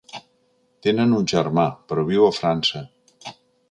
Tenen un germà, però viu a França.